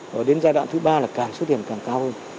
và đến giai đoạn thứ ba là càng số điểm càng cao hơn